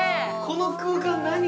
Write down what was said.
この空間何？